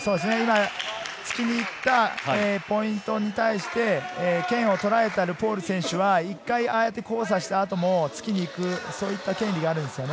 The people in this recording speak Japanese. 突きに行ったポイントに対して、剣をとらえたルフォール選手は一回ああやって交差した後も突きに行く、そういった権利があるんですね。